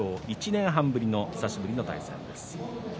１年半ぶり久しぶりの対戦です。